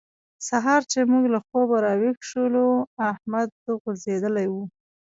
سهار چې موږ له خوبه راويښ شولو؛ احمد غورځېدلی وو.